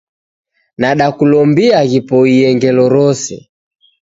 Nadakulombia ghipoie ngelo rose